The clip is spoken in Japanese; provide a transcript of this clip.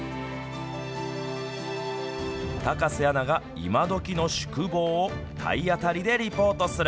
高瀬アナが今どきの宿坊を体当たりでリポートする。